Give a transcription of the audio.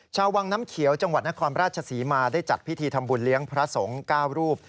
ชาววังน้ำเขียวจังหวัดนครราชศรีมาได้จัดพิธีทำบุญเลี้ยงพระสงฆ์๙รูป